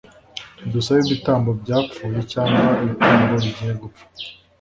ntidusaba ibitambo byapfuye cyangwa ibitambo bigiye gupfa